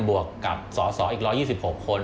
บวกกับสสอีก๑๒๖คน